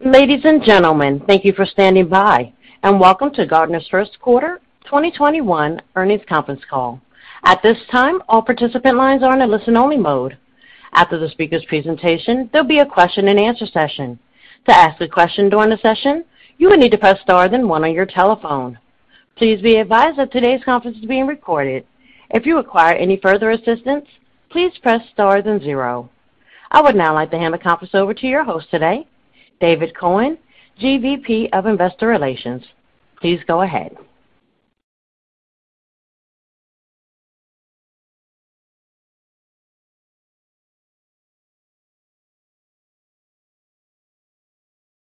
Ladies and gentlemen, thank you for standing by, and welcome to Gartner's First Quarter 2021 Earnings Conference Call. I would now like to hand the conference over to your host today, David Cohen, GVP of Investor Relations. Please go ahead.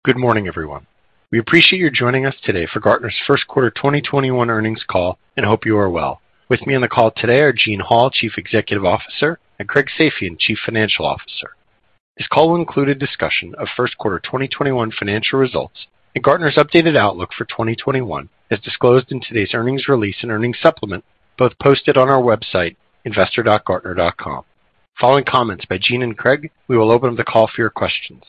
Good morning, everyone. We appreciate you joining us today for Gartner's First Quarter 2021 Earnings Call, and hope you are well. With me on the call today are Gene Hall, Chief Executive Officer, and Craig Safian, Chief Financial Officer. This call will include a discussion of first quarter 2021 financial results and Gartner's updated outlook for 2021, as disclosed in today's earnings release and earnings supplement, both posted on our website, investor.gartner.com. Following comments by Gene and Craig, we will open up the call for your questions.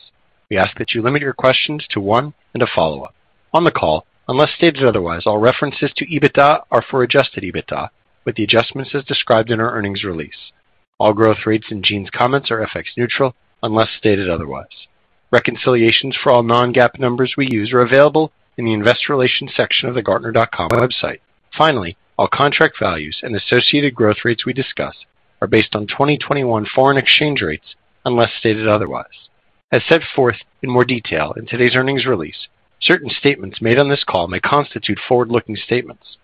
We ask that you limit your questions to one and a follow-up. On the call, unless stated otherwise, all references to EBITDA are for adjusted EBITDA with the adjustments as described in our earnings release. All growth rates in Gene's comments are FX neutral unless stated otherwise. Reconciliations for all non-GAAP numbers we use are available in the investor relations section of the gartner.com website. Finally, all contract values and associated growth rates we discuss are based on 2021 foreign exchange rates unless stated otherwise. As set forth in more detail in today's earnings release, certain statements made on this call may constitute forward-looking statements.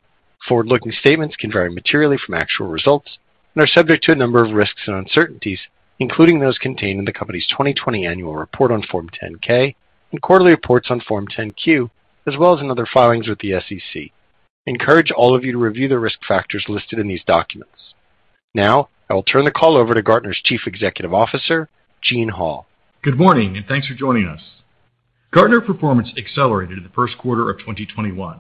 Forward-looking statements can vary materially from actual results and are subject to a number of risks and uncertainties, including those contained in the company's 2020 annual report on Form 10-K and quarterly reports on Form 10-Q, as well as in other filings with the SEC. I encourage all of you to review the risk factors listed in these documents. Now, I will turn the call over to Gartner's Chief Executive Officer, Gene Hall. Good morning, and thanks for joining us. Gartner performance accelerated in the first quarter of 2021.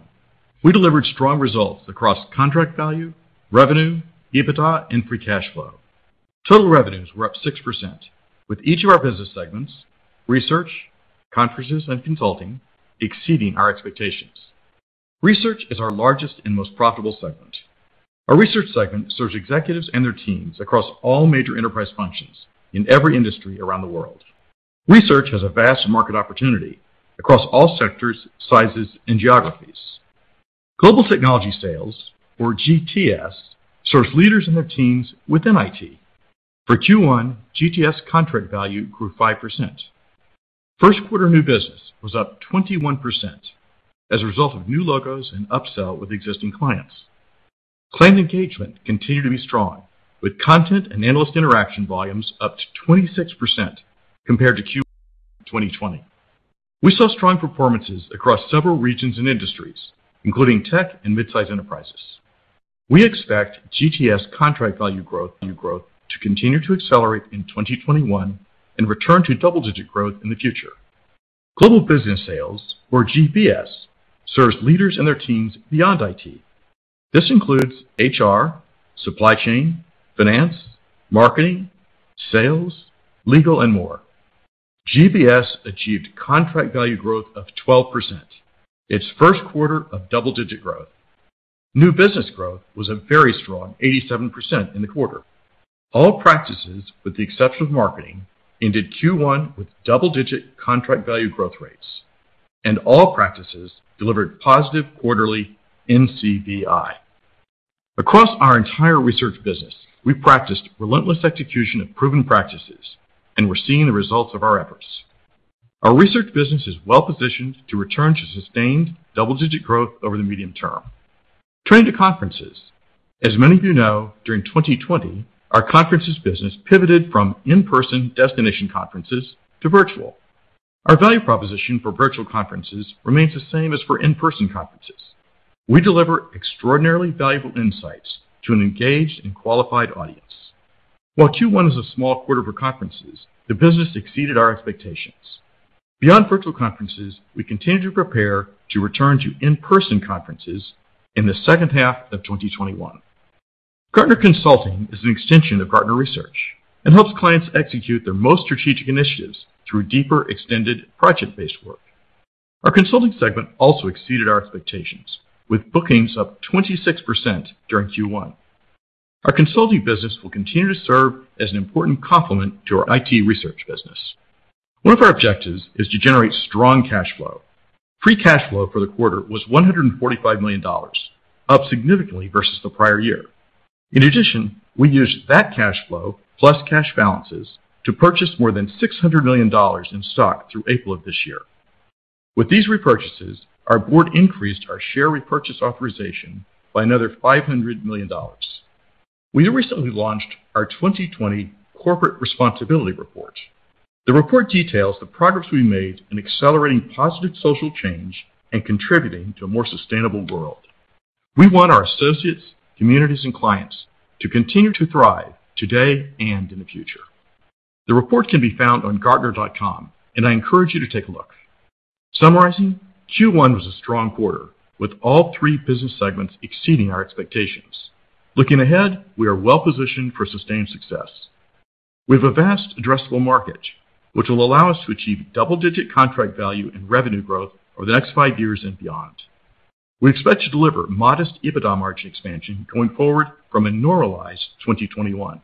We delivered strong results across contract value, revenue, EBITDA, and free cash flow. Total revenues were up 6%, with each of our business segments, Research, Conferences and Consulting, exceeding our expectations. Research is our largest and most profitable segment. Our Research segment serves executives and their teams across all major enterprise functions in every industry around the world. Research has a vast market opportunity across all sectors, sizes and geographies. Global Technology Sales, or GTS, serves leaders and their teams within IT. For Q1, GTS contract value grew 5%. First quarter new business was up 21%, as a result of new logos and upsell with existing clients. Client engagement continued to be strong, with content and analyst interaction volumes up to 26% compared to Q1 2020. We saw strong performances across several regions and industries, including tech and midsize enterprises. We expect GTS contract value growth to continue to accelerate in 2021 and return to double-digit growth in the future. Global Business Sales, or GBS, serves leaders and their teams beyond IT. This includes HR, supply chain, finance, marketing, sales, legal, and more. GBS achieved contract value growth of 12%, its first quarter of double-digit growth. New business growth was a very strong 87% in the quarter. All practices, with the exception of marketing, ended Q1 with double-digit contract value growth rates, and all practices delivered positive quarterly NCVI. Across our entire research business, we practiced relentless execution of proven practices, and we're seeing the results of our efforts. Our research business is well-positioned to return to sustained double-digit growth over the medium term. Turning to conferences. As many of you know, during 2020, our conferences business pivoted from in-person destination conferences to virtual. Our value proposition for virtual conferences remains the same as for in-person conferences. We deliver extraordinarily valuable insights to an engaged and qualified audience. While Q1 is a small quarter for conferences, the business exceeded our expectations. Beyond virtual conferences, we continue to prepare to return to in-person conferences in the second half of 2021. Gartner Consulting is an extension of Gartner Research and helps clients execute their most strategic initiatives through deeper, extended project-based work. Our consulting segment also exceeded our expectations, with bookings up 26% during Q1. Our consulting business will continue to serve as an important complement to our IT research business. One of our objectives is to generate strong cash flow. Free cash flow for the quarter was $145 million, up significantly versus the prior year. We used that cash flow plus cash balances to purchase more than $600 million in stock through April of this year. With these repurchases, our board increased our share repurchase authorization by another $500 million. We recently launched our 2020 corporate responsibility report. The report details the progress we made in accelerating positive social change and contributing to a more sustainable world. We want our associates, communities, and clients to continue to thrive today and in the future. The report can be found on gartner.com, and I encourage you to take a look. Q1 was a strong quarter, with all three business segments exceeding our expectations. Looking ahead, we are well-positioned for sustained success. We have a vast addressable market, which will allow us to achieve double-digit contract value and revenue growth over the next five years and beyond. We expect to deliver modest EBITDA margin expansion going forward from a normalized 2021.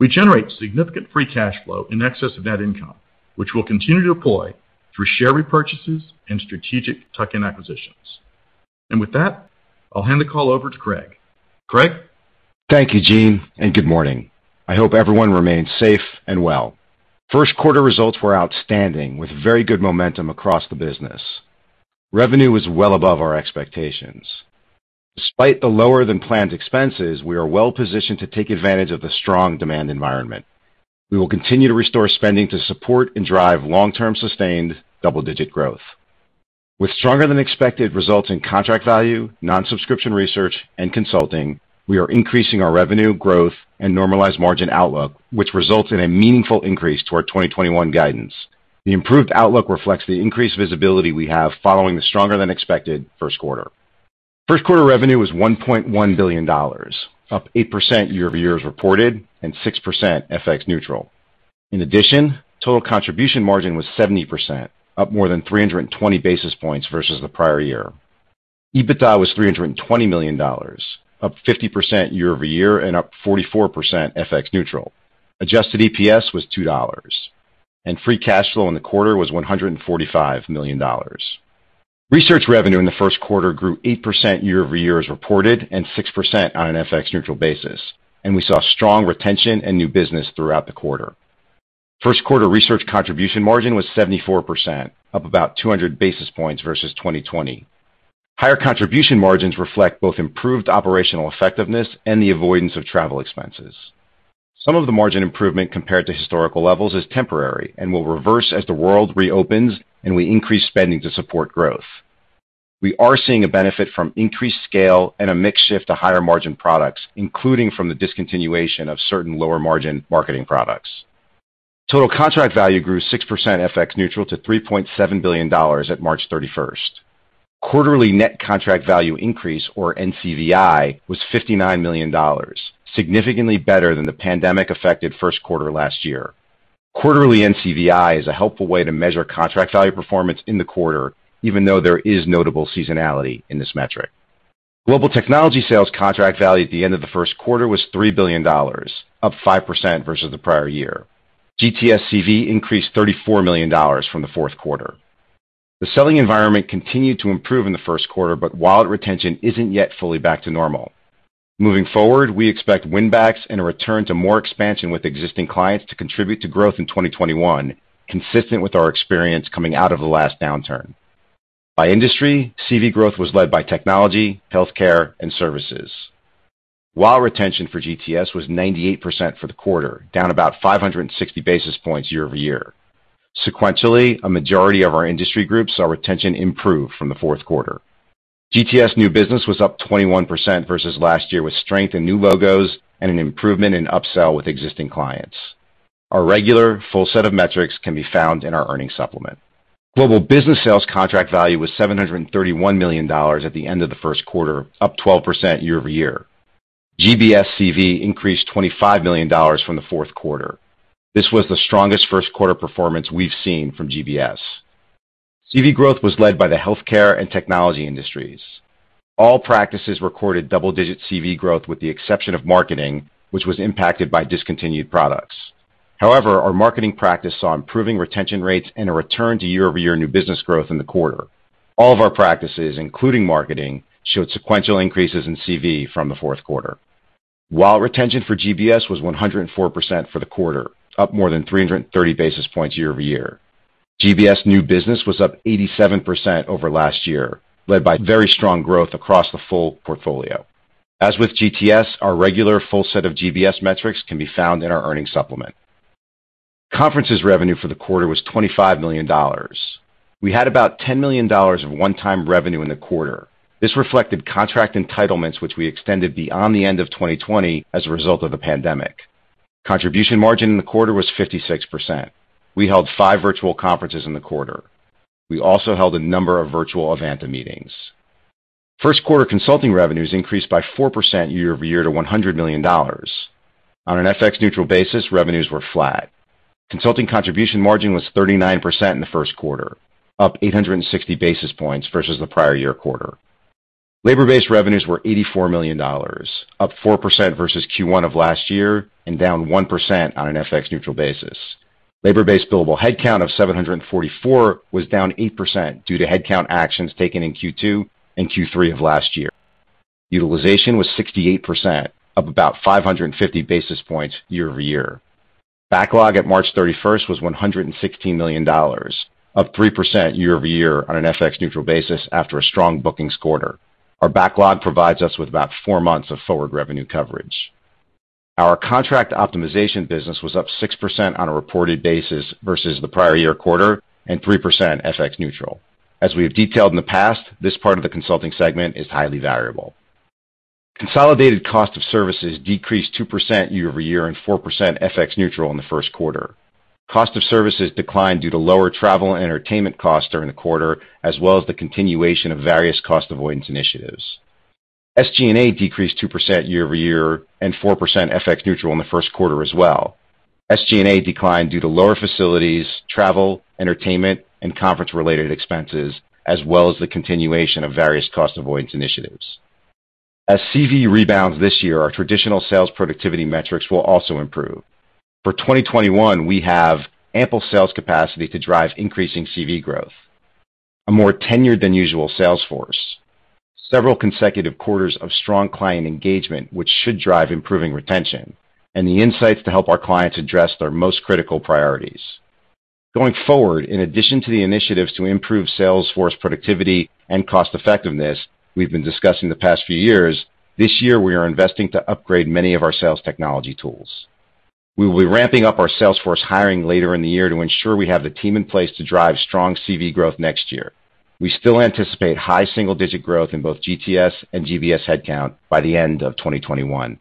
We generate significant free cash flow in excess of net income, which we'll continue to deploy through share repurchases and strategic tuck-in acquisitions. With that, I'll hand the call over to Craig. Craig? Thank you, Gene, and good morning. I hope everyone remains safe and well. First quarter results were outstanding, with very good momentum across the business. Revenue was well above our expectations. Despite the lower-than-planned expenses, we are well-positioned to take advantage of the strong demand environment. We will continue to restore spending to support and drive long-term sustained double-digit growth. With stronger-than-expected results in contract value, non-subscription research, and consulting, we are increasing our revenue growth and normalized margin outlook, which results in a meaningful increase to our 2021 guidance. The improved outlook reflects the increased visibility we have following the stronger-than-expected first quarter. First quarter revenue was $1.1 billion, up 8% year-over-year as reported, and 6% FX neutral. In addition, total contribution margin was 70%, up more than 320 basis points versus the prior year. EBITDA was $320 million, up 50% year-over-year, and up 44% FX neutral. Adjusted EPS was $2, and free cash flow in the quarter was $145 million. Research revenue in the first quarter grew 8% year-over-year as reported and 6% on an FX neutral basis, and we saw strong retention and new business throughout the quarter. First quarter research contribution margin was 74%, up about 200 basis points versus 2020. Higher contribution margins reflect both improved operational effectiveness and the avoidance of travel expenses. Some of the margin improvement compared to historical levels is temporary and will reverse as the world reopens and we increase spending to support growth. We are seeing a benefit from increased scale and a mix shift to higher-margin products, including from the discontinuation of certain lower-margin marketing products. Total contract value grew 6% FX neutral to $3.7 billion at March 31st. Quarterly net contract value increase, or NCVI, was $59 million, significantly better than the pandemic-affected first quarter last year. Quarterly NCVI is a helpful way to measure contract value performance in the quarter, even though there is notable seasonality in this metric. Global technology sales contract value at the end of the first quarter was $3 billion, up 5% versus the prior year. GTS CV increased $34 million from the fourth quarter. The selling environment continued to improve in the first quarter, but wallet retention isn't yet fully back to normal. Moving forward, we expect win backs and a return to more expansion with existing clients to contribute to growth in 2021, consistent with our experience coming out of the last downturn. By industry, CV growth was led by technology, healthcare, and services, while retention for GTS was 98% for the quarter, down about 560 basis points year-over-year. Sequentially, a majority of our industry groups saw retention improve from the fourth quarter. GTS new business was up 21% versus last year, with strength in new logos and an improvement in upsell with existing clients. Our regular, full set of metrics can be found in our earnings supplement. Global Business Sales contract value was $731 million at the end of the first quarter, up 12% year-over-year. GBS CV increased $25 million from the fourth quarter. This was the strongest first quarter performance we've seen from GBS. CV growth was led by the healthcare and technology industries. All practices recorded double-digit CV growth, with the exception of marketing, which was impacted by discontinued products. However, our marketing practice saw improving retention rates and a return to year-over-year new business growth in the quarter. All of our practices, including marketing, showed sequential increases in CV from the fourth quarter, while retention for GBS was 104% for the quarter, up more than 330 basis points year-over-year. GBS new business was up 87% over last year, led by very strong growth across the full portfolio. As with GTS, our regular full set of GBS metrics can be found in our earnings supplement. Conferences revenue for the quarter was $25 million. We had about $10 million of one-time revenue in the quarter. This reflected contract entitlements, which we extended beyond the end of 2020 as a result of the pandemic. Contribution margin in the quarter was 56%. We held five virtual conferences in the quarter. We also held a number of virtual event meetings. First quarter consulting revenues increased by 4% year-over-year to $100 million. On an FX neutral basis, revenues were flat. Consulting contribution margin was 39% in the first quarter, up 860 basis points versus the prior year quarter. Labor-based revenues were $84 million, up 4% versus Q1 of last year and down 1% on an FX neutral basis. Labor-based billable headcount of 744 was down 8% due to headcount actions taken in Q2 and Q3 of last year. Utilization was 68%, up about 550 basis points year-over-year. Backlog at March 31st was $116 million, up 3% year-over-year on an FX neutral basis after a strong bookings quarter. Our backlog provides us with about four months of forward revenue coverage. Our contract optimization business was up 6% on a reported basis versus the prior year quarter and 3% FX neutral. As we have detailed in the past, this part of the consulting segment is highly variable. Consolidated cost of services decreased 2% year-over-year and 4% FX neutral in the first quarter. Cost of services declined due to lower travel and entertainment costs during the quarter, as well as the continuation of various cost avoidance initiatives. SG&A decreased 2% year-over-year and 4% FX neutral in the first quarter as well. SG&A declined due to lower facilities, travel, entertainment, and conference-related expenses, as well as the continuation of various cost avoidance initiatives. As CV rebounds this year, our traditional sales productivity metrics will also improve. For 2021, we have ample sales capacity to drive increasing CV growth, a more tenured than usual sales force, several consecutive quarters of strong client engagement, which should drive improving retention, and the insights to help our clients address their most critical priorities. Going forward, in addition to the initiatives to improve sales force productivity and cost-effectiveness we've been discussing the past few years, this year, we are investing to upgrade many of our sales technology tools. We will be ramping up our sales force hiring later in the year to ensure we have the team in place to drive strong CV growth next year. We still anticipate high single-digit growth in both GTS and GBS headcount by the end of 2021.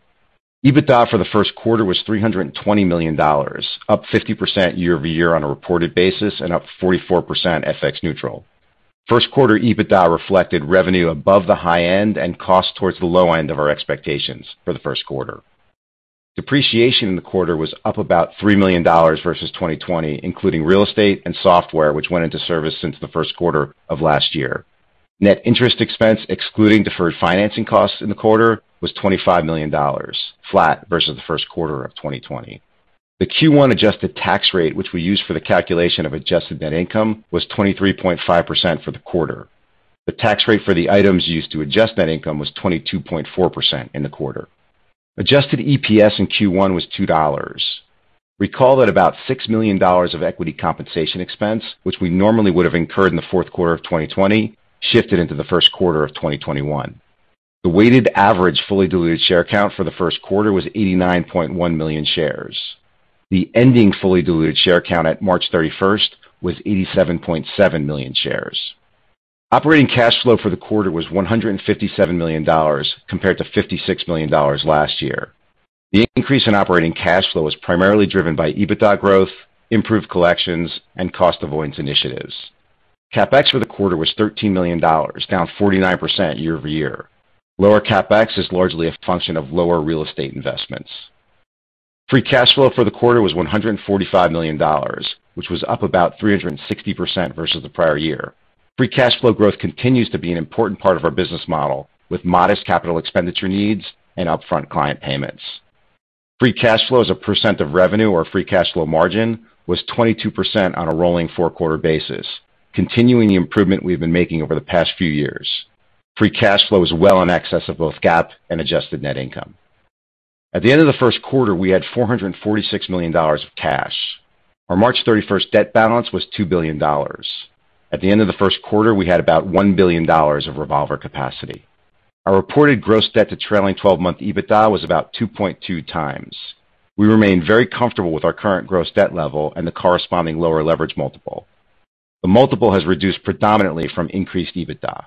EBITDA for the first quarter was $320 million, up 50% year-over-year on a reported basis and up 44% FX neutral. First quarter EBITDA reflected revenue above the high end and cost towards the low end of our expectations for the first quarter. Depreciation in the quarter was up about $3 million versus 2020, including real estate and software, which went into service since the first quarter of last year. Net interest expense, excluding deferred financing costs in the quarter, was $25 million, flat versus the first quarter of 2020. The Q1 adjusted tax rate, which we use for the calculation of adjusted net income, was 23.5% for the quarter. The tax rate for the items used to adjust net income was 22.4% in the quarter. Adjusted EPS in Q1 was $2. Recall that about $6 million of equity compensation expense, which we normally would have incurred in the fourth quarter of 2020, shifted into the first quarter of 2021. The weighted average fully diluted share count for the first quarter was 89.1 million shares. The ending fully diluted share count at March 31st was 87.7 million shares. Operating cash flow for the quarter was $157 million, compared to $56 million last year. The increase in operating cash flow was primarily driven by EBITDA growth, improved collections, and cost avoidance initiatives. CapEx for the quarter was $13 million, down 49% year-over-year. Lower CapEx is largely a function of lower real estate investments. Free cash flow for the quarter was $145 million, which was up about 360% versus the prior year. Free cash flow growth continues to be an important part of our business model, with modest capital expenditure needs and upfront client payments. Free cash flow as a percent of revenue or free cash flow margin was 22% on a rolling four-quarter basis, continuing the improvement we've been making over the past few years. Free cash flow is well in excess of both GAAP and adjusted net income. At the end of the first quarter, we had $446 million of cash. Our March 31st debt balance was $2 billion. At the end of the first quarter, we had about $1 billion of revolver capacity. Our reported gross debt to trailing 12-month EBITDA was about 2.2x. We remain very comfortable with our current gross debt level and the corresponding lower leverage multiple. The multiple has reduced predominantly from increased EBITDA.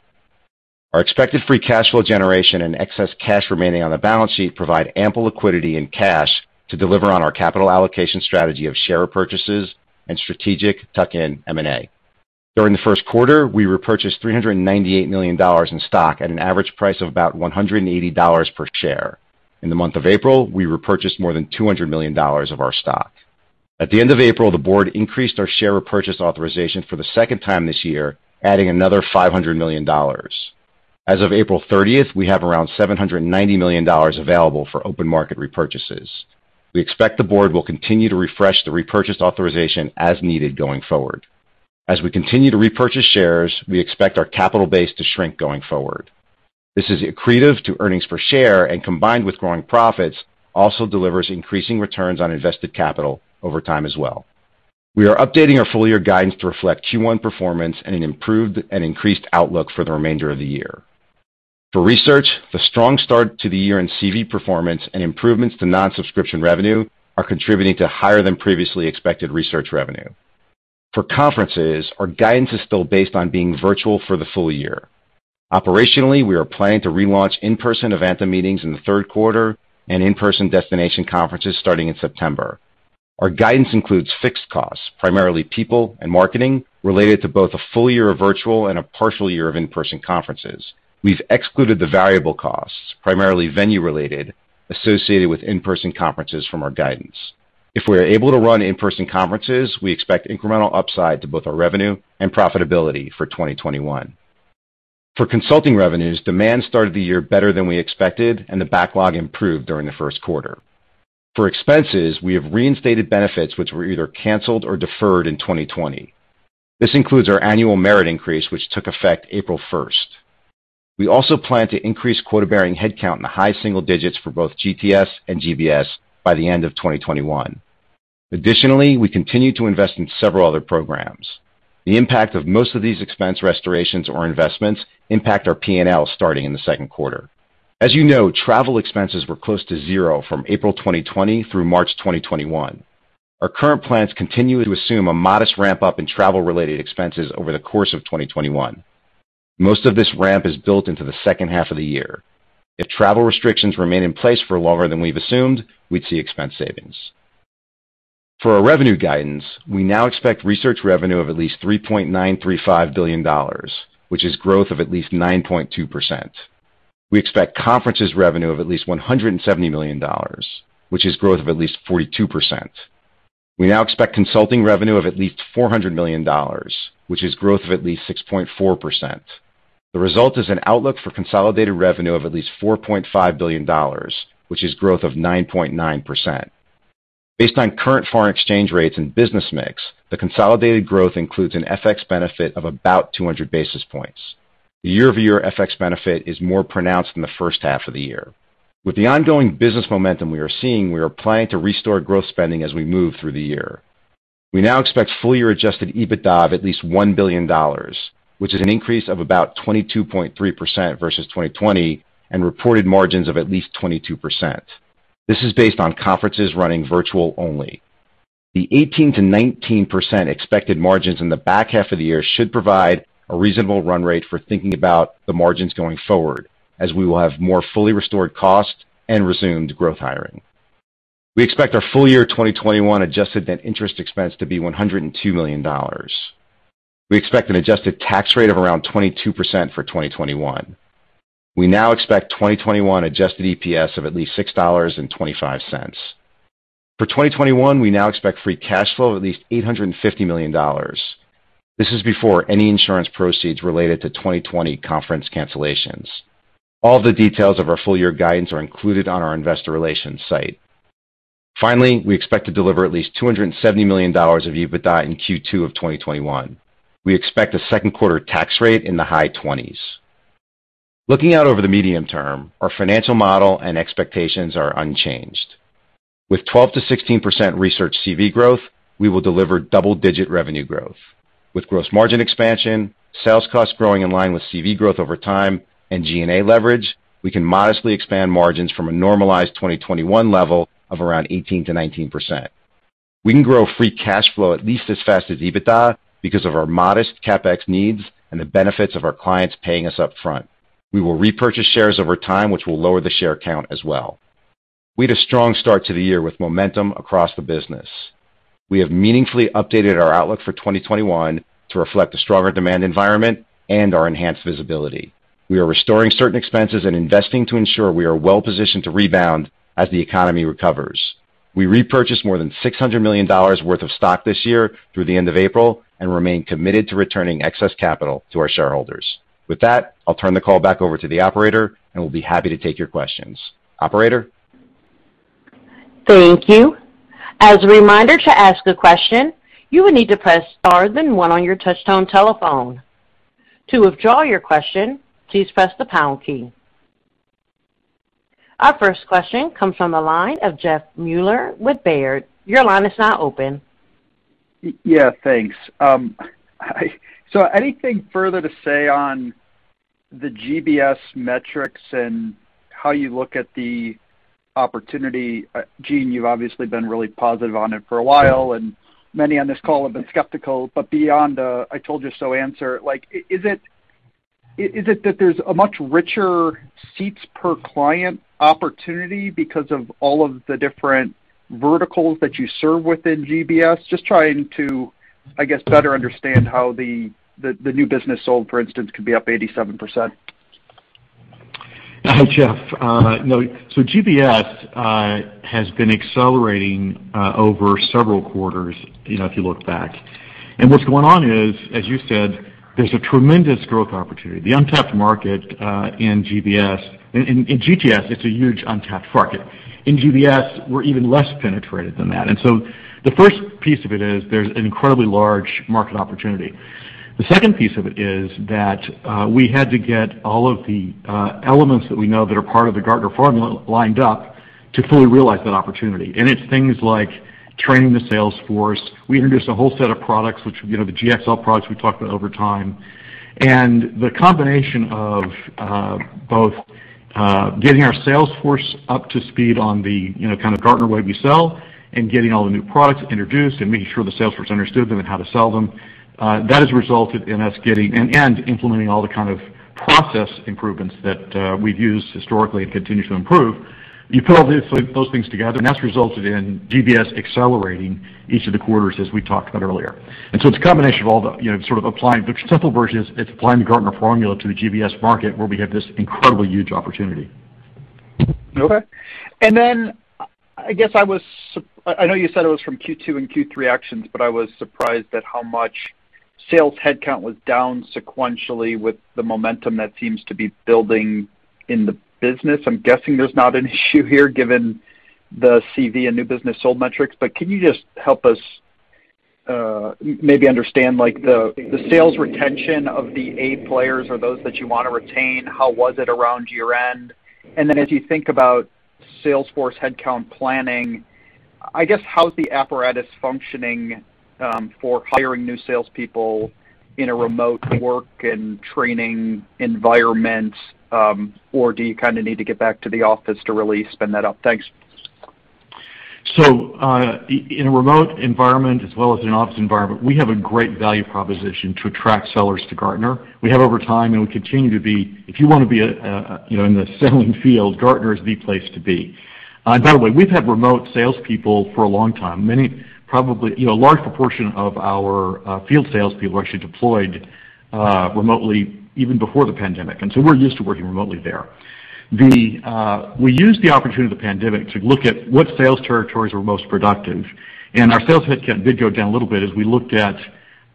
Our expected free cash flow generation and excess cash remaining on the balance sheet provide ample liquidity and cash to deliver on our capital allocation strategy of share repurchases and strategic tuck-in M&A. During the first quarter, we repurchased $398 million in stock at an average price of about $180 per share. In the month of April, we repurchased more than $200 million of our stock. At the end of April, the board increased our share repurchase authorization for the second time this year, adding another $500 million. As of April 30th, we have around $790 million available for open market repurchases. We expect the board will continue to refresh the repurchase authorization as needed going forward. As we continue to repurchase shares, we expect our capital base to shrink going forward. This is accretive to earnings per share and, combined with growing profits, also delivers increasing returns on invested capital over time as well. We are updating our full-year guidance to reflect Q1 performance and an improved and increased outlook for the remainder of the year. For research, the strong start to the year in CV performance and improvements to non-subscription revenue are contributing to higher than previously expected research revenue. For conferences, our guidance is still based on being virtual for the full-year. Operationally, we are planning to relaunch in-person event meetings in the third quarter and in-person destination conferences starting in September. Our guidance includes fixed costs, primarily people and marketing, related to both a full-year of virtual and a partial year of in-person conferences. We've excluded the variable costs, primarily venue-related, associated with in-person conferences from our guidance. If we are able to run in-person conferences, we expect incremental upside to both our revenue and profitability for 2021. For consulting revenues, demand started the year better than we expected, and the backlog improved during the first quarter. For expenses, we have reinstated benefits which were either canceled or deferred in 2020. This includes our annual merit increase, which took effect April 1st. We also plan to increase quota-bearing headcount in the high single digits for both GTS and GBS by the end of 2021. Additionally, we continue to invest in several other programs. The impact of most of these expense restorations or investments impact our P&L starting in the second quarter. As you know, travel expenses were close to zero from April 2020 through March 2021. Our current plans continue to assume a modest ramp-up in travel-related expenses over the course of 2021. Most of this ramp is built into the second half of the year. If travel restrictions remain in place for longer than we've assumed, we'd see expense savings. For our revenue guidance, we now expect research revenue of at least $3.935 billion, which is growth of at least 9.2%. We expect conferences revenue of at least $170 million, which is growth of at least 42%. We now expect consulting revenue of at least $400 million, which is growth of at least 6.4%. The result is an outlook for consolidated revenue of at least $4.5 billion, which is growth of 9.9%. Based on current foreign exchange rates and business mix, the consolidated growth includes an FX benefit of about 200 basis points. The year-over-year FX benefit is more pronounced in the first half of the year. With the ongoing business momentum we are seeing, we are planning to restore growth spending as we move through the year. We now expect full-year adjusted EBITDA of at least $1 billion, which is an increase of about 22.3% versus 2020 and reported margins of at least 22%. This is based on conferences running virtual only. The 18%-19% expected margins in the back half of the year should provide a reasonable run rate for thinking about the margins going forward, as we will have more fully restored costs and resumed growth hiring. We expect our full-year 2021 adjusted net interest expense to be $102 million. We expect an adjusted tax rate of around 22% for 2021. We now expect 2021 adjusted EPS of at least $6.25. For 2021, we now expect free cash flow of at least $850 million. This is before any insurance proceeds related to 2020 conference cancellations. All the details of our full-year guidance are included on our investor relations site. Finally, we expect to deliver at least $270 million of EBITDA in Q2 of 2021. We expect a second quarter tax rate in the high 20s. Looking out over the medium term, our financial model and expectations are unchanged. With 12%-16% research CV growth, we will deliver double-digit revenue growth. With gross margin expansion, sales costs growing in line with CV growth over time, and G&A leverage, we can modestly expand margins from a normalized 2021 level of around 18%-19%. We can grow free cash flow at least as fast as EBITDA because of our modest CapEx needs and the benefits of our clients paying us up front. We will repurchase shares over time, which will lower the share count as well. We had a strong start to the year with momentum across the business. We have meaningfully updated our outlook for 2021 to reflect the stronger demand environment and our enhanced visibility. We are restoring certain expenses and investing to ensure we are well-positioned to rebound as the economy recovers. We repurchased more than $600 million worth of stock this year through the end of April and remain committed to returning excess capital to our shareholders. With that, I'll turn the call back over to the operator, and we'll be happy to take your questions. Operator? Thank you. Our first question comes from the line of Jeffrey Meuler with Baird. Your line is now open. Yeah, thanks. Anything further to say on the GBS metrics and how you look at the opportunity? Gene, you've obviously been really positive on it for a while, and many on this call have been skeptical. Beyond the I-told-you-so answer, is it that there's a much richer seats per client opportunity because of all of the different verticals that you serve within GBS? Just trying to, I guess, better understand how the new business sold, for instance, could be up 87%. Hi, Jeff. GBS has been accelerating over several quarters, if you look back. What's going on is, as you said, there's a tremendous growth opportunity. The untapped market in GTS, it's a huge untapped market. In GBS, we're even less penetrated than that. The first piece of it is there's an incredibly large market opportunity. The second piece of it is that we had to get all of the elements that we know that are part of the Gartner formula lined up to fully realize that opportunity. It's things like training the sales force. We introduced a whole set of products, which, the GxL products we talked about over time. The combination of both getting our sales force up to speed on the kind of Gartner way we sell and getting all the new products introduced and making sure the sales force understood them and how to sell them, that has resulted in us getting and implementing all the kind of process improvements that we've used historically and continue to improve. You put all those things together, and that's resulted in GBS accelerating each of the quarters, as we talked about earlier. The simple version is it's applying the Gartner formula to the GBS market, where we have this incredibly huge opportunity. Okay. I know you said it was from Q2 and Q3 actions, but I was surprised at how much sales headcount was down sequentially with the momentum that seems to be building in the business. I'm guessing there's not an issue here, given the CV and new business sold metrics. Can you just help us maybe understand the sales retention of the A players or those that you want to retain? How was it around year-end? As you think about sales force headcount planning, I guess, how's the apparatus functioning for hiring new salespeople in a remote work and training environment? Do you kind of need to get back to the office to really spin that up? Thanks. In a remote environment as well as in an office environment, we have a great value proposition to attract sellers to Gartner. We have over time, and we continue to be, if you want to be in the selling field, Gartner is the place to be. By the way, we've had remote salespeople for a long time. A large proportion of our field salespeople are actually deployed remotely even before the pandemic, and so we're used to working remotely there. We used the opportunity of the pandemic to look at what sales territories were most productive, and our sales headcount did go down a little bit as we looked at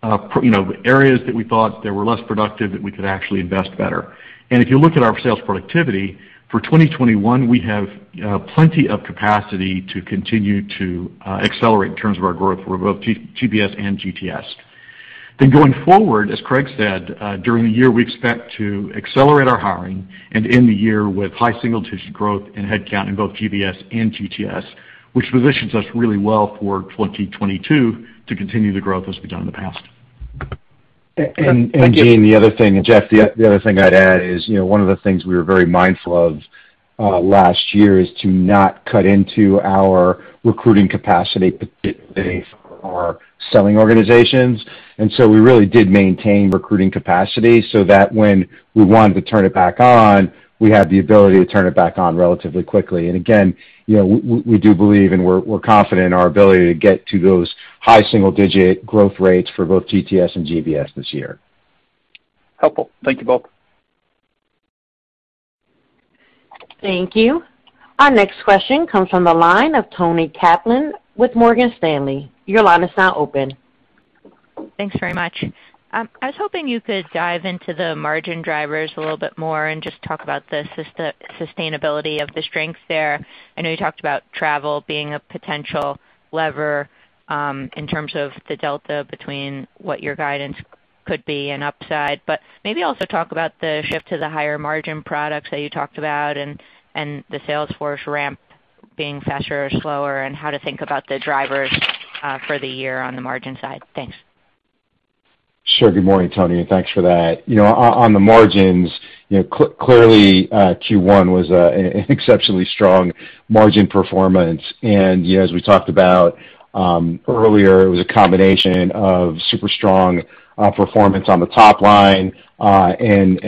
areas that we thought that were less productive, that we could actually invest better. If you look at our sales productivity, for 2021, we have plenty of capacity to continue to accelerate in terms of our growth for both GBS and GTS. Going forward, as Craig said, during the year, we expect to accelerate our hiring and end the year with high single-digit growth in headcount in both GBS and GTS, which positions us really well for 2022 to continue the growth as we've done in the past. Gene, the other thing, and Jeff, the other thing I'd add is, one of the things we were very mindful of last year is to not cut into our recruiting capacity, particularly for our selling organizations. We really did maintain recruiting capacity so that when we wanted to turn it back on, we had the ability to turn it back on relatively quickly. Again, we do believe and we're confident in our ability to get to those high single-digit growth rates for both GTS and GBS this year. Helpful. Thank you both. Thank you. Our next question comes from the line of Toni Kaplan with Morgan Stanley. Your line is now open. Thanks very much. I was hoping you could dive into the margin drivers a little bit more and just talk about the sustainability of the strengths there. I know you talked about travel being a potential lever in terms of the delta between what your guidance could be and upside, but maybe also talk about the shift to the higher margin products that you talked about and the sales force ramp being faster or slower, and how to think about the drivers for the year on the margin side. Thanks. Sure. Good morning, Toni, and thanks for that. On the margins, clearly, Q1 was an exceptionally strong margin performance. As we talked about earlier, it was a combination of super strong performance on the top line and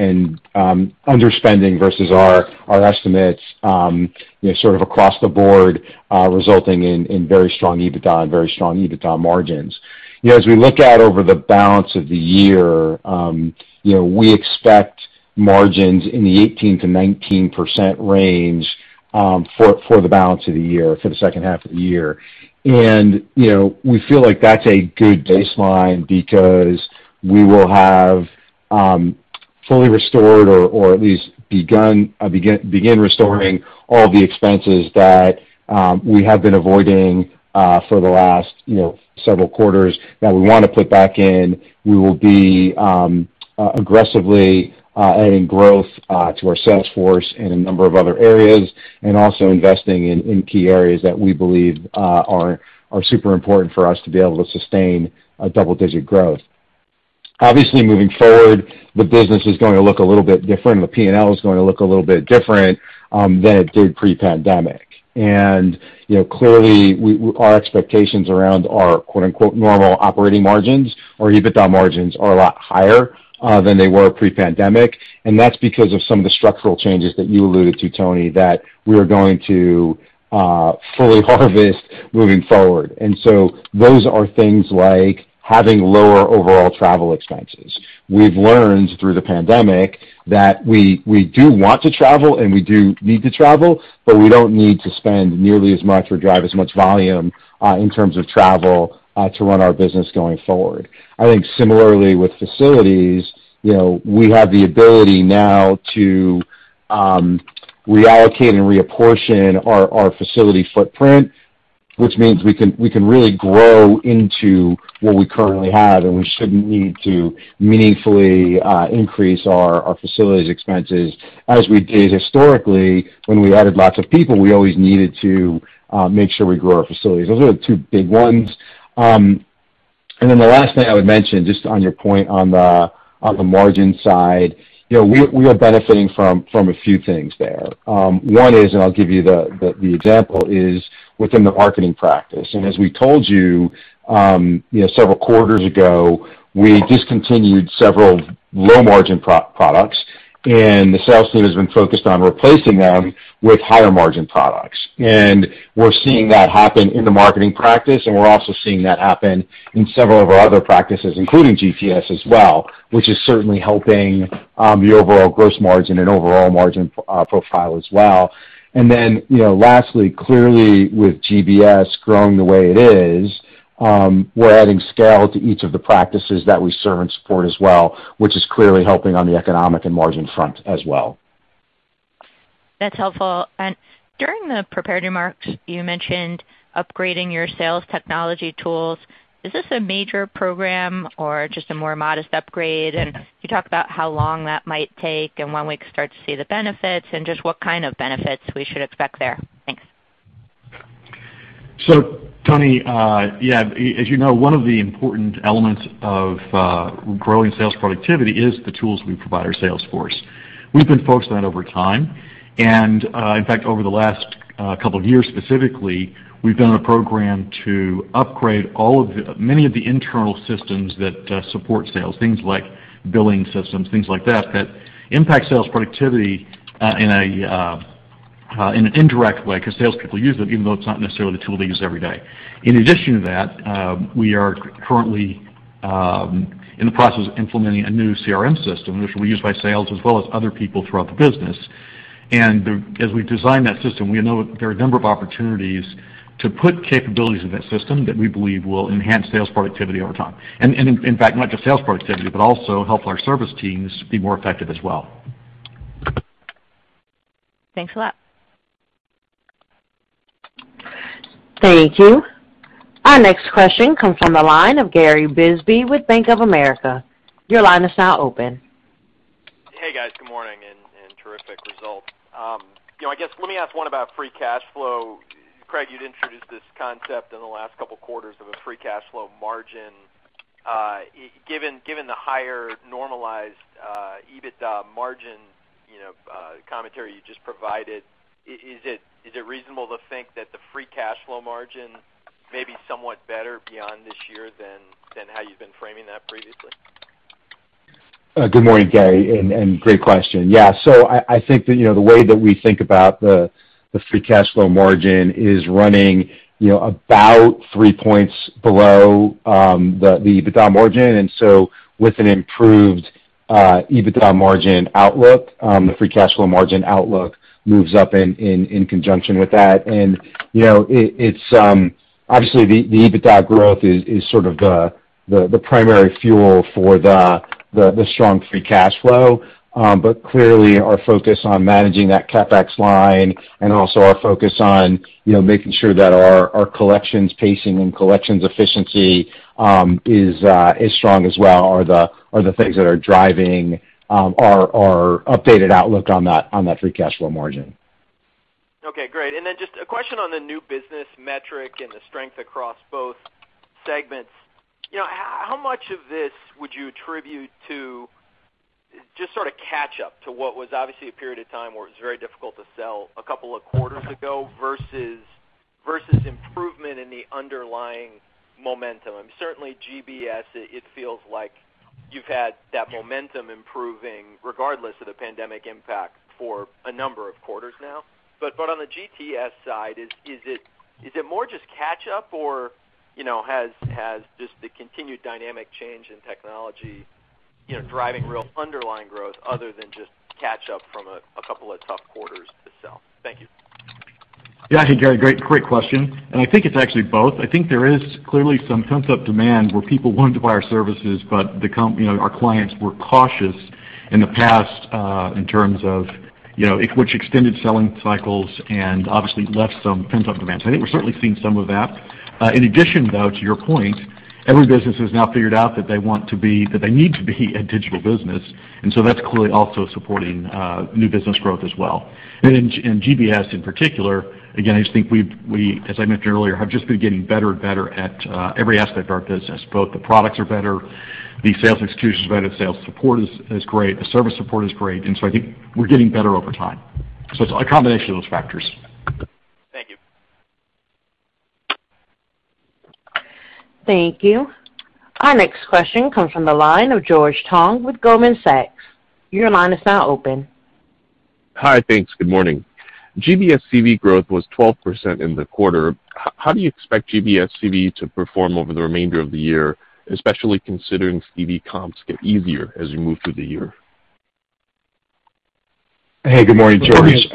underspending versus our estimates sort of across the board, resulting in very strong EBITDA and very strong EBITDA margins. As we look out over the balance of the year, we expect margins in the 18%-19% range for the balance of the year, for the second half of the year. We feel like that's a good baseline because we will have fully restored or at least begin restoring all the expenses that we have been avoiding for the last several quarters that we want to put back in. We will be aggressively adding growth to our sales force in a number of other areas, and also investing in key areas that we believe are super important for us to be able to sustain double-digit growth. Obviously, moving forward, the business is going to look a little bit different. The P&L is going to look a little bit different than it did pre-pandemic. Clearly, our expectations around our "normal operating margins" or EBITDA margins are a lot higher than they were pre-pandemic, and that's because of some of the structural changes that you alluded to, Toni, that we are going to fully harvest moving forward. So those are things like having lower overall travel expenses. We've learned through the pandemic that we do want to travel and we do need to travel, but we don't need to spend nearly as much or drive as much volume in terms of travel to run our business going forward. I think similarly with facilities, we have the ability now to reallocate and reapportion our facility footprint, which means we can really grow into what we currently have, and we shouldn't need to meaningfully increase our facilities expenses as we did historically. When we added lots of people, we always needed to make sure we grew our facilities. Those are the two big ones. The last thing I would mention, just on your point on the margin side, we are benefiting from a few things there. One is, and I'll give you the example, is within the marketing practice. As we told you several quarters ago, we discontinued several low-margin products, and the sales team has been focused on replacing them with higher-margin products. We're seeing that happen in the marketing practice, and we're also seeing that happen in several of our other practices, including GTS as well, which is certainly helping the overall gross margin and overall margin profile as well. Lastly, clearly with GBS growing the way it is, we're adding scale to each of the practices that we serve and support as well, which is clearly helping on the economic and margin front as well. That's helpful. During the prepared remarks, you mentioned upgrading your sales technology tools. Is this a major program or just a more modest upgrade? Can you talk about how long that might take and when we can start to see the benefits, and just what kind of benefits we should expect there? Thanks. Toni, yeah, as you know, one of the important elements of growing sales productivity is the tools we provide our sales force. We've been focused on that over time. In fact, over the last couple of years specifically, we've done a program to upgrade many of the internal systems that support sales, things like billing systems, things like that impact sales productivity in an indirect way, because salespeople use them, even though it's not necessarily the tool they use every day. In addition to that, we are currently in the process of implementing a new CRM system, which will be used by sales as well as other people throughout the business. As we design that system, we know there are a number of opportunities to put capabilities in that system that we believe will enhance sales productivity over time. In fact, not just sales productivity, but also help our service teams be more effective as well. Thanks a lot. Thank you. Our next question comes from the line of Gary Bisbee with Bank of America. Your line is now open. Hey, guys. Good morning. Terrific results. I guess, let me ask one about free cash flow. Craig, you'd introduced this concept in the last couple of quarters of a free cash flow margin. Given the higher normalized EBITDA margin commentary you just provided, is it reasonable to think that the free cash flow margin may be somewhat better beyond this year than how you've been framing that previously? Good morning, Gary. Great question. Yeah. I think that the way that we think about the free cash flow margin is running about three points below the EBITDA margin. With an improved EBITDA margin outlook, the free cash flow margin outlook moves up in conjunction with that. Obviously, the EBITDA growth is sort of the primary fuel for the strong free cash flow. Clearly, our focus on managing that CapEx line and also our focus on making sure that our collections pacing and collections efficiency is strong as well are the things that are driving our updated outlook on that free cash flow margin. Okay, great. Just a question on the new business metric and the strength across both segments. How much of this would you attribute to just sort of catch up to what was obviously a period of time where it was very difficult to sell a couple of quarters ago versus improvement in the underlying momentum? Certainly GBS, it feels like you've had that momentum improving regardless of the pandemic impact for a number of quarters now. On the GTS side, is it more just catch up or has just the continued dynamic change in technology driving real underlying growth other than just catch up from a couple of tough quarters to sell? Thank you. Yeah. Hey, Gary. Great question. I think it's actually both. I think there is clearly some pent-up demand where people wanted to buy our services, but our clients were cautious in the past, which extended selling cycles and obviously left some pent-up demand. I think we're certainly seeing some of that. In addition, though, to your point, every business has now figured out that they need to be a digital business, that's clearly also supporting new business growth as well. GBS in particular, again, I just think we, as I mentioned earlier, have just been getting better and better at every aspect of our business. Both the products are better, the sales execution is better, the sales support is great, the service support is great. I think we're getting better over time. It's a combination of those factors. Thank you. Thank you. Our next question comes from the line of George Tong with Goldman Sachs. Your line is now open. Hi. Thanks. Good morning. GBS CV growth was 12% in the quarter. How do you expect GBS CV to perform over the remainder of the year, especially considering CV comps get easier as you move through the year? Hey, good morning, George.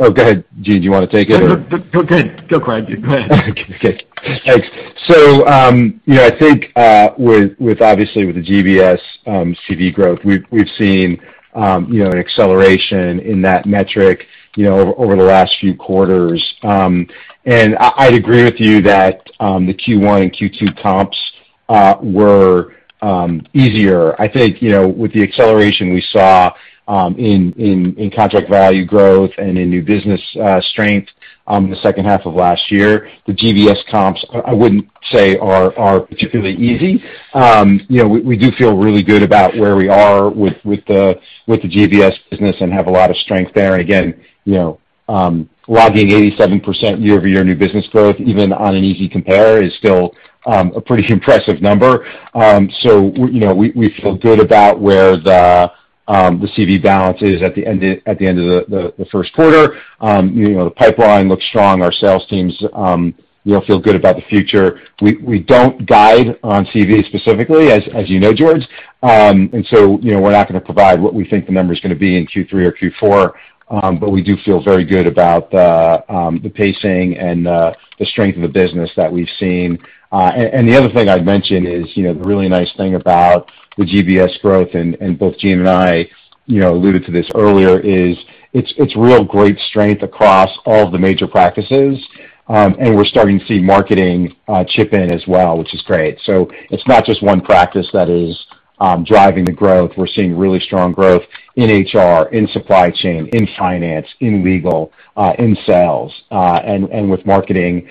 Go ahead, Gene, do you want to take it? Go ahead. Go, Craig. Go ahead. Okay. Thanks. I think obviously with the GBS CV growth, we've seen an acceleration in that metric over the last few quarters. I'd agree with you that the Q1 and Q2 comps were easier. I think, with the acceleration we saw in contract value growth and in new business strength in the second half of last year, the GBS comps, I wouldn't say are particularly easy. We do feel really good about where we are with the GBS business and have a lot of strength there. Again, logging 87% year-over-year new business growth, even on an easy compare, is still a pretty impressive number. We feel good about where the CV balance is at the end of the first quarter. The pipeline looks strong. Our sales teams feel good about the future. We don't guide on CV specifically, as you know, George. We're not going to provide what we think the number's going to be in Q3 or Q4, but we do feel very good about the pacing and the strength of the business that we've seen. The other thing I'd mention is, the really nice thing about the GBS growth, and both Gene and I alluded to this earlier, is it's real great strength across all of the major practices. We're starting to see marketing chip in as well, which is great. It's not just one practice that is driving the growth. We're seeing really strong growth in HR, in supply chain, in finance, in legal, in sales, and with marketing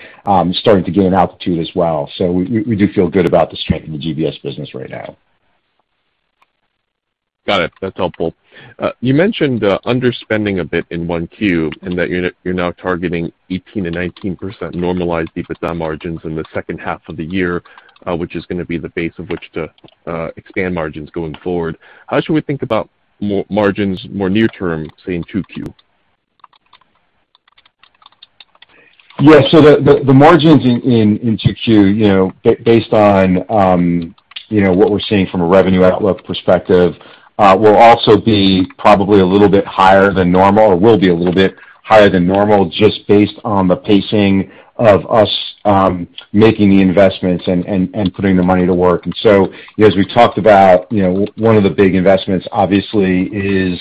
starting to gain altitude as well. We do feel good about the strength of the GBS business right now. Got it. That's helpful. You mentioned underspending a bit in 1Q, and that you're now targeting 18%-19% normalized EBITDA margins in the second half of the year, which is going to be the base of which to expand margins going forward. How should we think about margins more near term, say, in 2Q? Yeah. The margins in 2Q, based on what we're seeing from a revenue outlook perspective, will also be probably a little bit higher than normal, or will be a little bit higher than normal just based on the pacing of us making the investments and putting the money to work. As we talked about, one of the big investments obviously is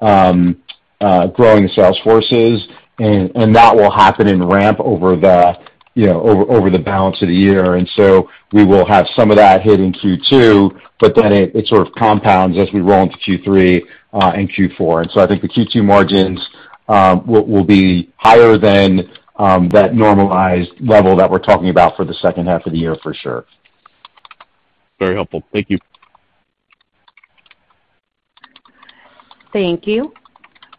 growing the sales forces, and that will happen in ramp over the balance of the year. We will have some of that hit in Q2, but then it sort of compounds as we roll into Q3 and Q4. I think the Q2 margins will be higher than that normalized level that we're talking about for the second half of the year, for sure. Very helpful. Thank you. Thank you.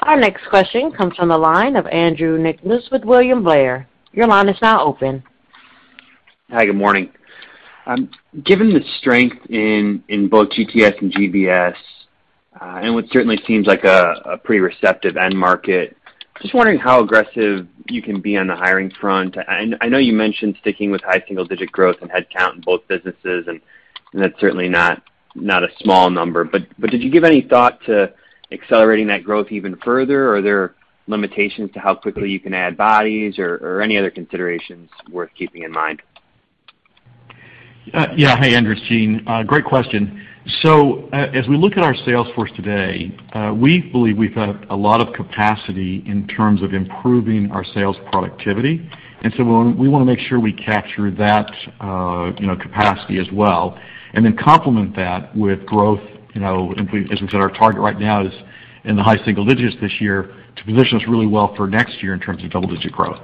Our next question comes from the line of Andrew Nicholas with William Blair. Your line is now open. Hi, good morning. Given the strength in both GTS and GBS, and what certainly seems like a pretty receptive end market, just wondering how aggressive you can be on the hiring front? I know you mentioned sticking with high single-digit growth and headcount in both businesses, and that's certainly not a small number. Did you give any thought to accelerating that growth even further? Are there limitations to how quickly you can add bodies or any other considerations worth keeping in mind? Yeah. Hi, Andrew. It's Gene. Great question. As we look at our sales force today, we believe we've a lot of capacity in terms of improving our sales productivity. We want to make sure we capture that capacity as well, and then complement that with growth. As we said, our target right now is in the high single digits this year to position us really well for next year in terms of double-digit growth.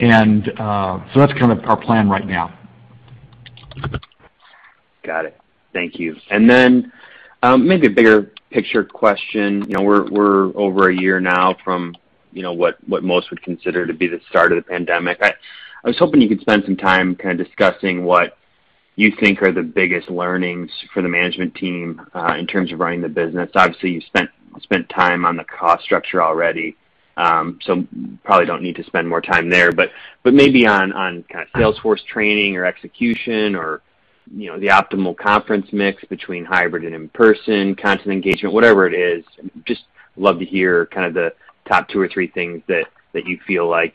That's kind of our plan right now. Got it. Thank you. Maybe a bigger picture question. We're over a year now from what most would consider to be the start of the pandemic. I was hoping you could spend some time kind of discussing what you think are the biggest learnings for the management team in terms of running the business. Obviously, you spent time on the cost structure already, so probably don't need to spend more time there, but maybe on kind of sales force training or execution or the optimal conference mix between hybrid and in-person, content engagement, whatever it is, just love to hear kind of the top two or three things that you feel like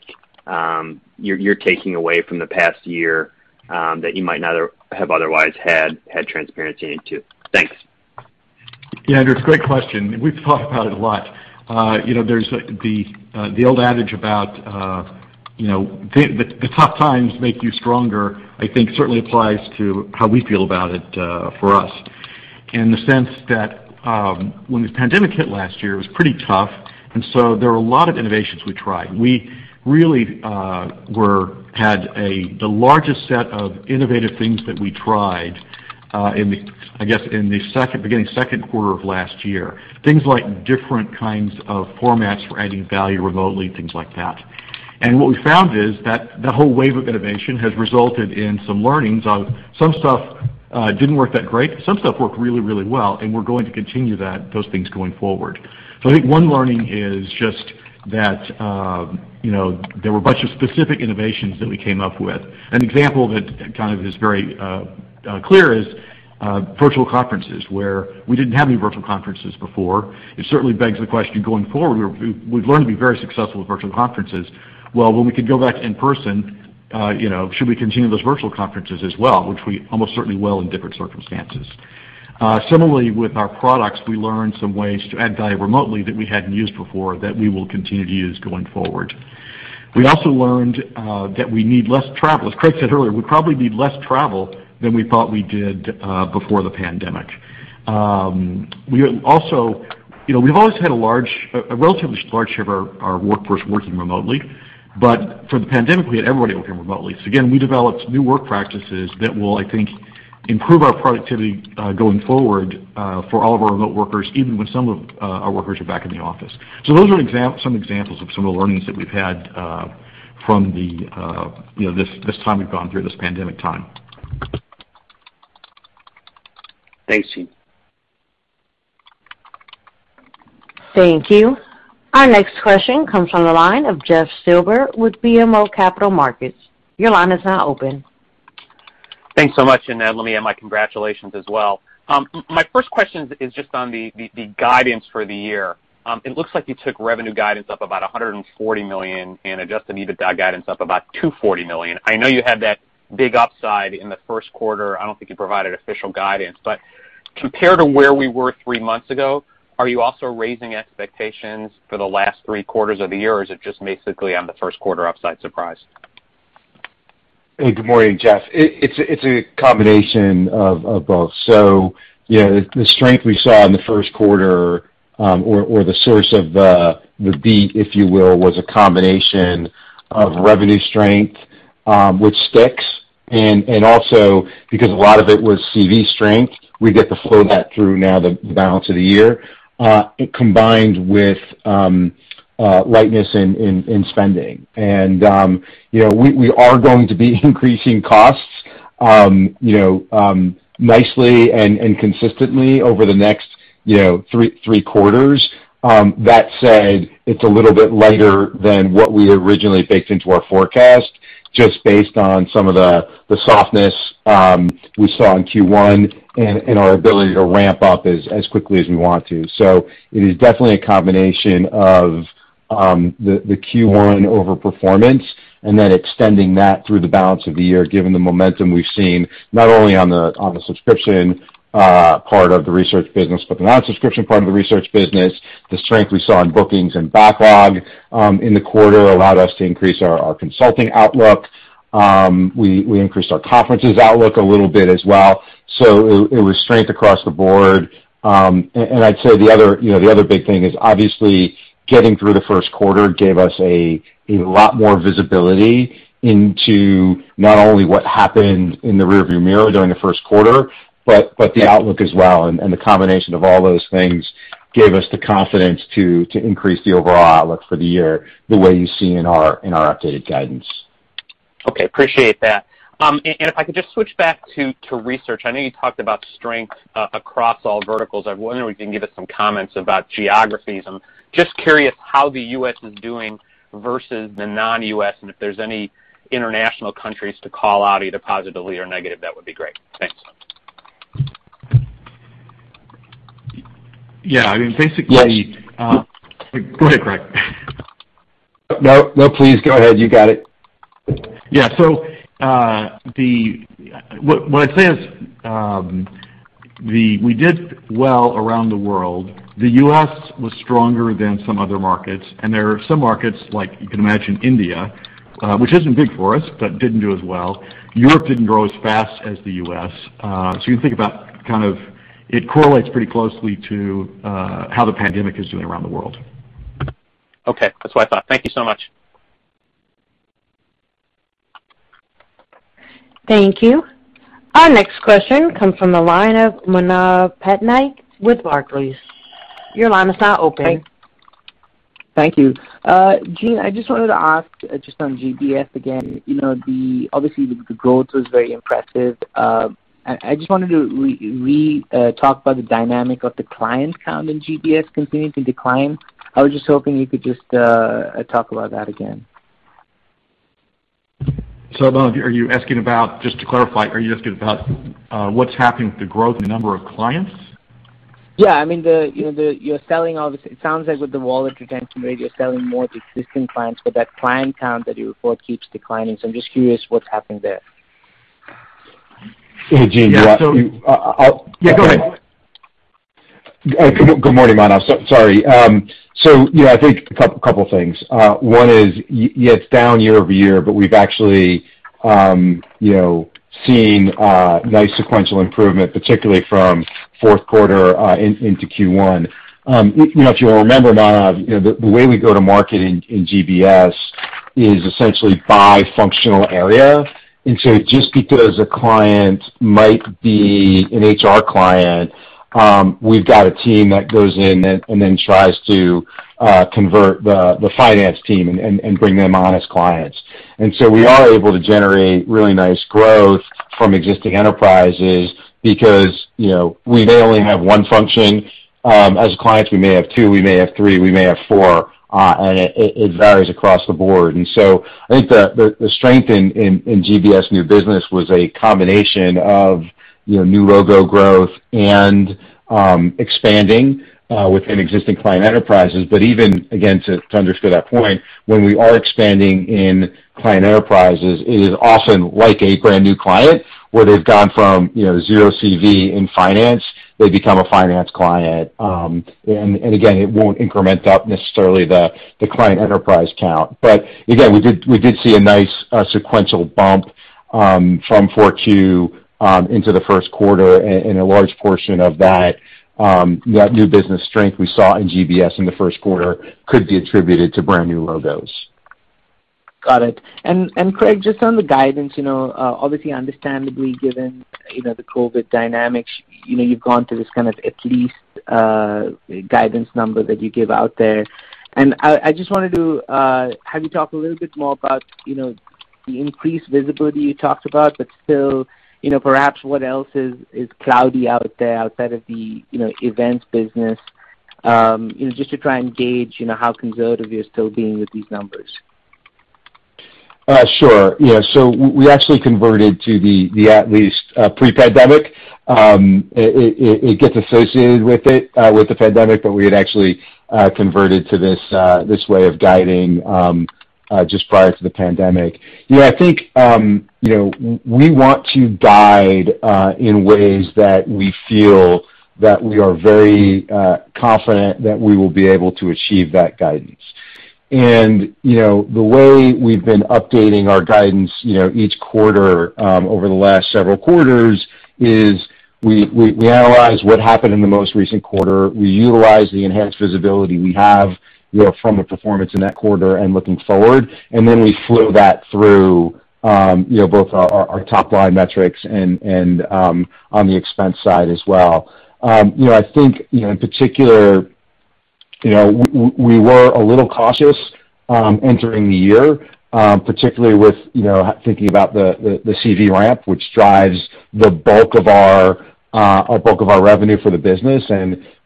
you're taking away from the past year, that you might not have otherwise had transparency into. Thanks. Yeah, Andrew, great question. We've talked about it a lot. There's the old adage about the tough times make you stronger, I think certainly applies to how we feel about it for us. In the sense that when the pandemic hit last year, it was pretty tough, there were a lot of innovations we tried. We really had the largest set of innovative things that we tried, I guess, beginning second quarter of last year. Things like different kinds of formats for adding value remotely, things like that. What we found is that the whole wave of innovation has resulted in some learnings of some stuff didn't work that great, some stuff worked really well, and we're going to continue those things going forward. I think one learning is just that there were a bunch of specific innovations that we came up with. An example that kind of is very clear is virtual conferences, where we didn't have any virtual conferences before. It certainly begs the question, going forward, we've learned to be very successful with virtual conferences. Well, when we could go back in person, should we continue those virtual conferences as well? Which we almost certainly will in different circumstances. Similarly, with our products, we learned some ways to add value remotely that we hadn't used before, that we will continue to use going forward. We also learned that we need less travel. As Craig said earlier, we probably need less travel than we thought we did before the pandemic. We've always had a relatively large share of our workforce working remotely. For the pandemic, we had everybody working remotely. Again, we developed new work practices that will, I think, improve our productivity going forward for all of our remote workers, even when some of our workers are back in the office. Those are some examples of some of the learnings that we've had from this time we've gone through, this pandemic time. Thanks, Gene. Thank you. Our next question comes from the line of Jeff Silber with BMO Capital Markets. Your line is now open. Thanks so much, and let me add my congratulations as well. My first question is just on the guidance for the year. It looks like you took revenue guidance up about $140 million and adjusted EBITDA guidance up about $240 million. I know you had that big upside in the first quarter. I don't think you provided official guidance, but compared to where we were three months ago, are you also raising expectations for the last three quarters of the year? Or is it just basically on the first quarter upside surprise? Hey, good morning, Jeff. It's a combination of both. The strength we saw in the first quarter, or the source of the beat, if you will, was a combination of revenue strength, which sticks, and also because a lot of it was CV strength, we get to flow that through now the balance of the year, combined with lightness in spending. We are going to be increasing costs nicely and consistently over the next three quarters. That said, it's a little bit lighter than what we originally baked into our forecast, just based on some of the softness we saw in Q1 and our ability to ramp up as quickly as we want to. It is definitely a combination of the Q1 over-performance and then extending that through the balance of the year, given the momentum we've seen, not only on the subscription part of the research business, but the non-subscription part of the research business. The strength we saw in bookings and backlog in the quarter allowed us to increase our consulting outlook. We increased our conferences outlook a little bit as well. It was strength across the board. I'd say the other big thing is obviously getting through the first quarter gave us a lot more visibility into not only what happened in the rear view mirror during the first quarter, but the outlook as well, and the combination of all those things gave us the confidence to increase the overall outlook for the year the way you see in our updated guidance. Okay. Appreciate that. If I could just switch back to research. I know you talked about strength across all verticals. I wonder if you can give us some comments about geographies. I'm just curious how the U.S. is doing versus the non-U.S., and if there's any international countries to call out, either positively or negative, that would be great. Thanks. Yeah. I mean, Yes. Go ahead, Craig. No, please go ahead. You got it. Yeah. What I'd say is, we did well around the world. The U.S. was stronger than some other markets, and there are some markets like, you can imagine, India, which isn't big for us, but didn't do as well. Europe didn't grow as fast as the U.S. You can think about kind of, it correlates pretty closely to how the pandemic is doing around the world. Okay. That's what I thought. Thank you so much. Thank you. Our next question comes from the line of Manav Patnaik with Barclays. Your line is now open. Thank you. Gene, I just wanted to ask, just on GBS again, obviously the growth was very impressive. I just wanted to re-talk about the dynamic of the client count in GBS continuing to decline. I was just hoping you could just talk about that again. Manav, just to clarify, are you asking about what's happening with the growth in the number of clients? Yeah. It sounds like with the wallet retention rate, you're selling more to existing clients, but that client count that you report keeps declining. I'm just curious what's happened there? Hey, Gene. Yeah, so I'll Yeah, go ahead. Good morning, Manav. Sorry. Yeah, I think a couple things. One is, yeah, it's down year-over-year, but we've actually seen nice sequential improvement, particularly from fourth quarter into Q1. If you'll remember, Manav, the way we go to market in GBS is essentially by functional area. Just because a client might be an HR client, we've got a team that goes in and then tries to convert the finance team and bring them on as clients. We are able to generate really nice growth from existing enterprises because we may only have one function. As clients, we may have two, we may have three, we may have four, and it varies across the board. I think the strength in GBS new business was a combination of new logo growth and expanding within existing client enterprises. Even, again, to underscore that point, when we are expanding in client enterprises, it is often like a brand new client, where they've gone from zero CV in finance, they become a finance client. Again, it won't increment up necessarily the client enterprise count. Again, we did see a nice sequential bump from 4Q into the first quarter. A large portion of that new business strength we saw in GBS in the first quarter could be attributed to brand new logos. Got it. Craig, just on the guidance, obviously understandably given the COVID dynamics, you've gone to this kind of at least guidance number that you give out there. I just wanted to have you talk a little bit more about the increased visibility you talked about, but still, perhaps what else is cloudy out there outside of the events business, just to try and gauge how conservative you're still being with these numbers. Sure. Yeah. We actually converted to the at least pre-pandemic. It gets associated with the pandemic, but we had actually converted to this way of guiding just prior to the pandemic. Yeah, I think we want to guide in ways that we feel that we are very confident that we will be able to achieve that guidance. The way we've been updating our guidance each quarter over the last several quarters is. We analyze what happened in the most recent quarter. We utilize the enhanced visibility we have from the performance in that quarter and looking forward, and then we flow that through both our top-line metrics and on the expense side as well. I think, in particular, we were a little cautious entering the year, particularly with thinking about the CV ramp, which drives the bulk of our revenue for the business.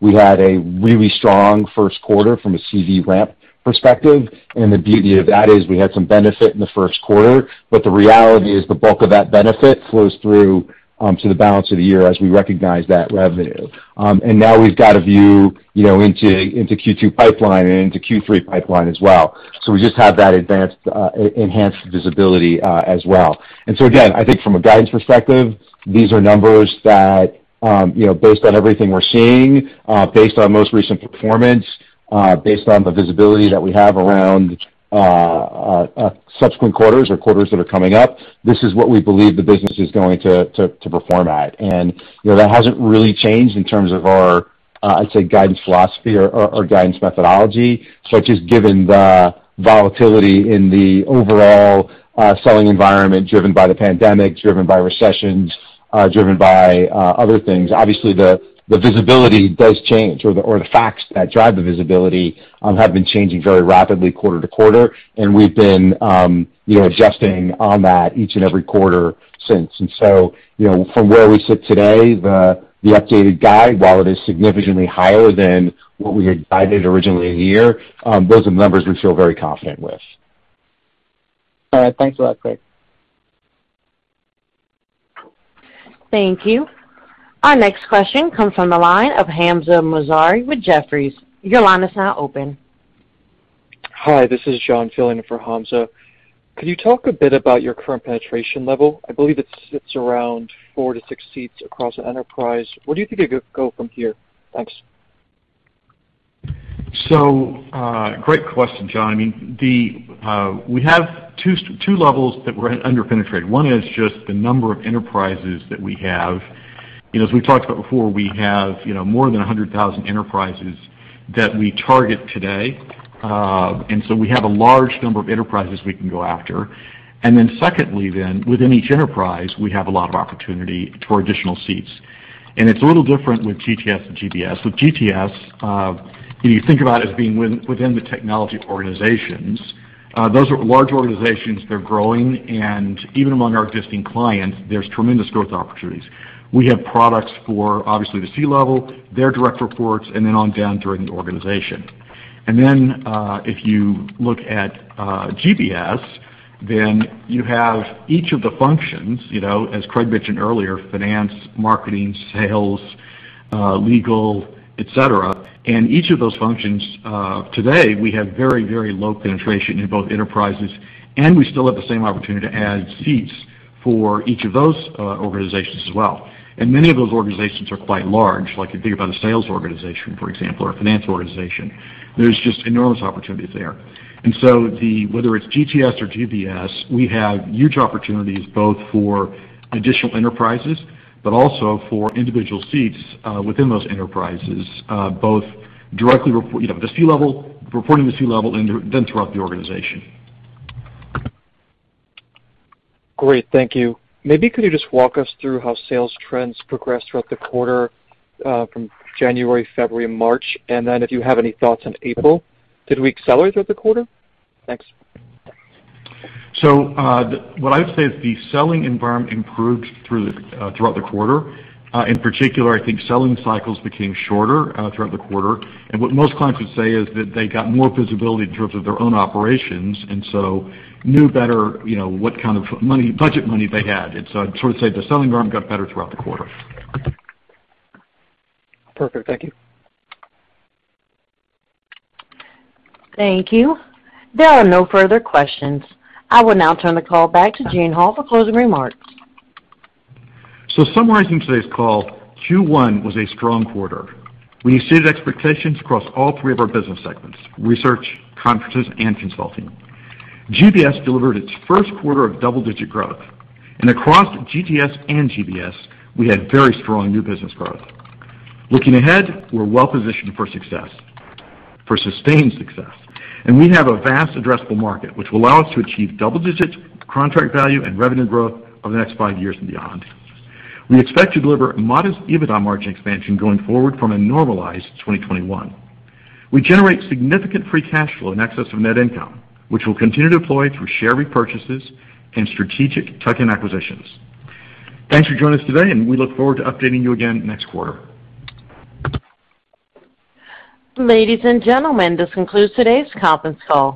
We had a really strong first quarter from a CV ramp perspective. The beauty of that is we had some benefit in the first quarter, but the reality is the bulk of that benefit flows through to the balance of the year as we recognize that revenue. Now we've got a view into Q2 pipeline and into Q3 pipeline as well. We just have that enhanced visibility as well. Again, I think from a guidance perspective, these are numbers that based on everything we're seeing, based on most recent performance, based on the visibility that we have around subsequent quarters or quarters that are coming up, this is what we believe the business is going to perform at. That hasn't really changed in terms of our, I'd say, guidance philosophy or guidance methodology. It's just given the volatility in the overall selling environment driven by the pandemic, driven by recessions, driven by other things. Obviously, the visibility does change or the facts that drive the visibility have been changing very rapidly quarter to quarter, and we've been adjusting on that each and every quarter since. From where we sit today, the updated guide, while it is significantly higher than what we had guided originally a year, those are the numbers we feel very confident with. All right. Thanks a lot, Craig. Thank you. Our next question comes from the line of Hamzah Mazari with Jefferies. Your line is now open. Hi, this is John filling in for Hamzah. Could you talk a bit about your current penetration level? I believe it sits around four to six seats across an enterprise. Where do you think it could go from here? Thanks. Great question, John. We have two levels that we're under-penetrated. One is just the number of enterprises that we have. As we talked about before, we have more than 100,000 enterprises that we target today. We have a large number of enterprises we can go after. Secondly then, within each enterprise, we have a lot of opportunity for additional seats. It's a little different with GTS and GBS. With GTS, you think about it as being within the technology organizations. Those are large organizations. They're growing, and even among our existing clients, there's tremendous growth opportunities. We have products for, obviously, the C-level, their direct reports, and then on down through the organization. Then, if you look at GBS, then you have each of the functions, as Craig mentioned earlier, finance, marketing, sales, legal, et cetera. Each of those functions, today, we have very low penetration in both enterprises, and we still have the same opportunity to add seats for each of those organizations as well. Many of those organizations are quite large. Like if you think about a sales organization, for example, or a finance organization. There's just enormous opportunities there. Whether it's GTS or GBS, we have huge opportunities both for additional enterprises, but also for individual seats within those enterprises, both directly reporting to C-level and then throughout the organization. Great. Thank you. Could you just walk us through how sales trends progressed throughout the quarter, from January, February, and March, and then if you have any thoughts on April? Did we accelerate throughout the quarter? Thanks. What I would say is the selling environment improved throughout the quarter. In particular, I think selling cycles became shorter throughout the quarter. What most clients would say is that they got more visibility in terms of their own operations, and so knew better what kind of budget money they had. I'd say the selling environment got better throughout the quarter. Perfect. Thank you. Thank you. There are no further questions. I will now turn the call back to Gene Hall for closing remarks. Summarizing today's call, Q1 was a strong quarter. We exceeded expectations across all three of our business segments, Research, Conferences, and Consulting. GBS delivered its first quarter of double-digit growth. Across GTS and GBS, we had very strong new business growth. Looking ahead, we're well-positioned for success, for sustained success, and we have a vast addressable market which will allow us to achieve double-digit contract value and revenue growth over the next five years and beyond. We expect to deliver modest EBITDA margin expansion going forward from a normalized 2021. We generate significant free cash flow in excess of net income, which we'll continue to deploy through share repurchases and strategic tuck-in acquisitions. Thanks for joining us today, and we look forward to updating you again next quarter. Ladies and gentlemen, this concludes today's conference call.